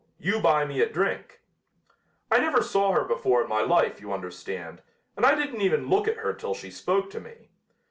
You buy me a drink.' I never saw her before in my life, you understand, and I didn't even look at her till she spoke to me.